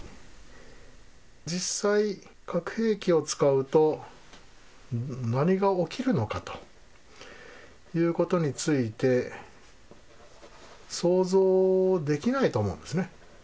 実際、核兵器を使うと何が起きるのかということについて、想像できないと思うんですね。